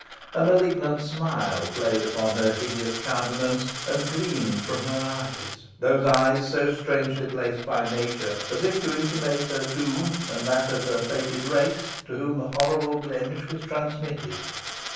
A malignant smile played upon her hideous countenance, and gleamed from her eyes those eyes so strangely placed by nature, as if to intimate her doom, and that of her fated race, to whom the horrible blemish was transmitted.